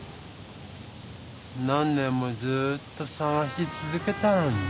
何年もずっとさがしつづけたのにな。